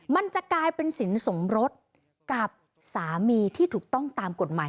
มันจะกลายเป็นสินสมรสกับสามีที่ถูกต้องตามกฎหมาย